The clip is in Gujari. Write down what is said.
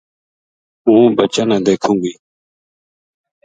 ہوں بچاں نا دیکھوں تھی